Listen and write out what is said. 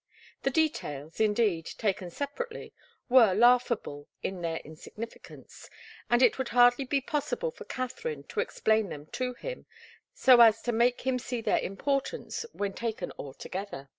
The details, indeed, taken separately, were laughable in their insignificance, and it would hardly be possible for Katharine to explain them to him, so as to make him see their importance when taken all together.